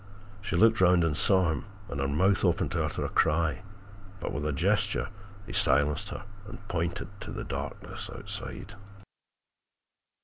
She looked round and saw him, and her mouth opened to utter a cry, but with a gesture he silenced her and pointed to the darkness outside.